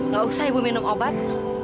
gak usah ibu minum obat